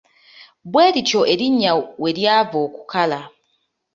Bwe lityo erinnya we lyava okukala.